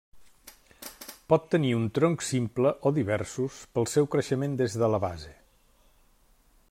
Pot tenir un tronc simple o diversos pel seu creixement des de la base.